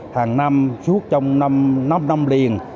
hàng năm suốt trong năm năm liền